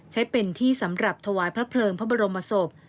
ใช้เป็นที่สำหรับถวายพระเพลิงพระบรมศพ